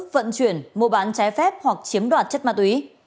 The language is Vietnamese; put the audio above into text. vận chuyển mua bán trái phép hoặc chiếm đoạt chất ma túy